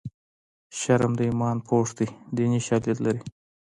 شرم د ایمان پوښ دی دیني شالید لري